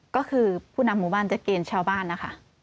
ก็คือผู้นำหมู่บ้านจะเกณฑ์ชาวบ้านนะคะ